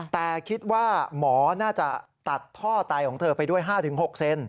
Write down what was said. แต่คิดว่าหมอน่าจะตัดท่อไตของเธอไปด้วย๕๖เซน